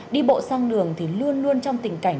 đi bộ sang đường luôn luôn trong tình cảnh